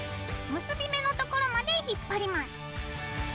結び目のところまで引っ張ります。